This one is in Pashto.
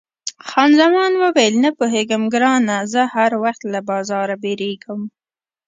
خان زمان وویل، نه پوهېږم ګرانه، زه هر وخت له بارانه بیریږم.